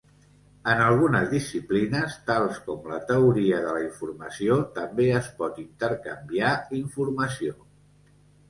En algunes disciplines, tals com la teoria de la informació, també es pot intercanviar informació.